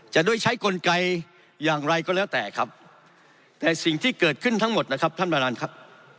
จะด้วยใช้กลไกอย่างไรก็แล้วแต่ครับแต่สิ่งที่เกิดขึ้นทั้งหมดนะครับท่านประธานครับ